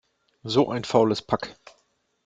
So ein faules Pack!